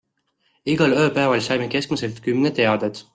Igal ööpäeval saime keskmiselt kümme teadet.